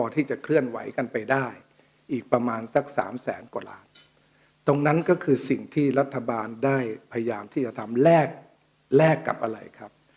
ตรงนั้นก็คือสิ่งที่รัฐบาลได้พยายามที่จะทำแลกแลกกับอะไรครับ